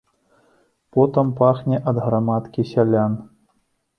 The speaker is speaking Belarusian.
Потам пахне ад грамадкі сялян.